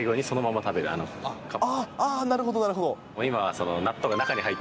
ああ、なるほど、なるほど。